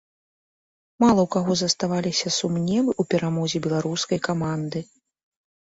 Мала ў каго заставаліся сумневы ў перамозе беларускай каманды.